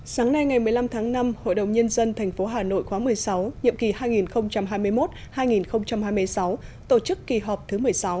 sáng nay ngày một mươi năm tháng năm hội đồng nhân dân tp hà nội khóa một mươi sáu nhiệm kỳ hai nghìn hai mươi một hai nghìn hai mươi sáu tổ chức kỳ họp thứ một mươi sáu